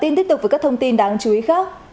và tin tiếp tục với các thông tin đáng chú ý khác